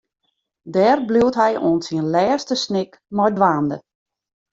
Dêr bliuwt hy oant syn lêste snik mei dwaande.